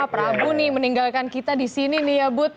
prabu nih meninggalkan kita di sini nih ya but